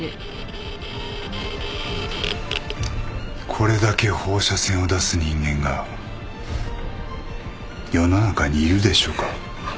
これだけ放射線を出す人間が世の中にいるでしょうか。